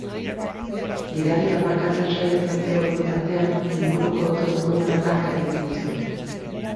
Gidaria aparkatzen saiatzen zegoen bitartean inguruko autoen kontra talka egiten zuen.